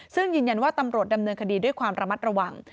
ซึ่งยืนยันว่าตำรวจดำเนินคดีด้วยความระมัดระวัง